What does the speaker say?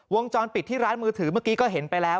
วงจรปิดที่ร้านมือถือเมื่อกี้ก็เห็นไปแล้ว